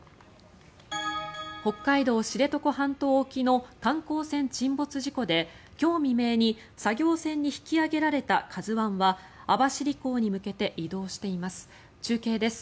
北海道・知床半島沖の観光船沈没事故で今日未明に作業船に引き揚げられた「ＫＡＺＵ１」は網走港に向けて移動しています。